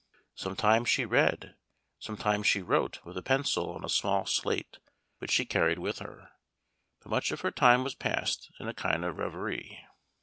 Sometimes she read, sometimes she wrote with a pencil on a small slate which she carried with her, but much of her time was passed in a kind of reverie.